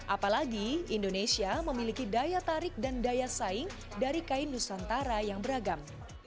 apalagi indonesia memiliki daya tarik dan daya saing dari kain nusantara yang beragam